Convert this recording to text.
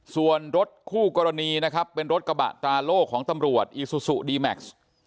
ส่วนรถคู่กรณีนะครับเป็นรถกระบะตราโล่ของตำรวจอีซูซูดีแม็กซ์